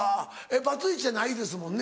バツイチじゃないですもんね？